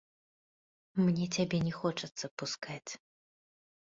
Мне цябе не хочацца пускаць.